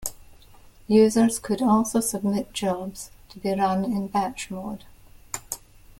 Users could also submit jobs to be run in batch mode.